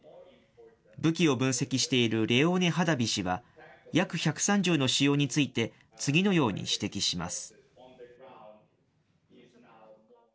武器を分析しているレオーネ・ハダヴィ氏はＹａｋ１３０の使用について、次のように指摘します。